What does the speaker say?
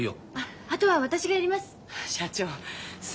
あとは私がやります。